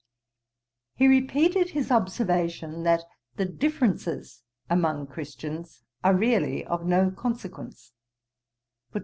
He repeated his observation, that the differences among Christians are really of no consequence.